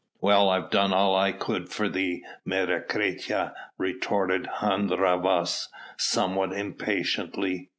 "Well, I've done all I could for thee, Menecreta," retorted Hun Rhavas somewhat impatiently.